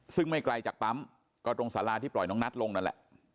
ซึ่งไม่ไกลจากปั๊มก็ตรงสาราที่ปล่อยน้องนัทลงนั่นแหละ